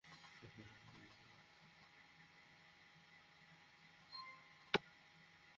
আমরা তাদের কিছুই বিক্রি করিনি।